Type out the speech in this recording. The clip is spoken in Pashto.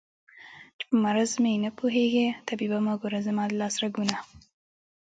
چې په مرض مې نه پوهېږې طبيبه مه ګوره زما د لاس رګونه